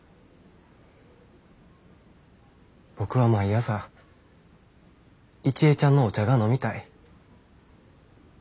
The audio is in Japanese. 僕は毎朝一恵ちゃんのお茶が飲みたい。